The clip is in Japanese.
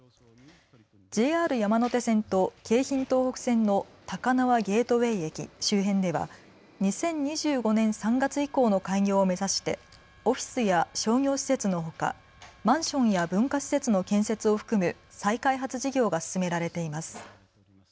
ＪＲ山手線と京浜東北線の高輪ゲートウェイ駅周辺では２０２５年３月以降の開業を目指してオフィスや商業施設のほか、マンションや文化施設の建設を含む再開発事業が進められています。